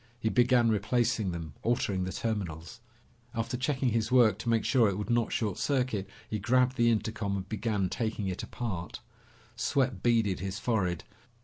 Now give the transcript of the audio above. He began replacing them, altering the terminals. After checking his work, to make sure it would not short circuit, he grabbed the intercom and began taking it apart. Sweat beaded his forehead.